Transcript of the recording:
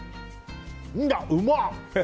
うまっ！